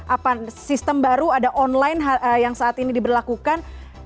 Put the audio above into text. apa sistem baru ada online yang saat ini diberlakukan